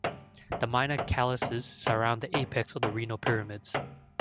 The minor calyces surround the apex of the renal pyramids.